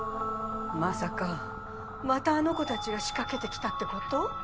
まさかまたあの子たちが仕掛けてきたってこと？